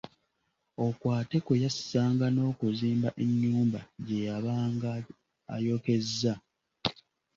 Okwo ate kwe yassanga n’okuzimba ennyumba gye yabanga ayokezza.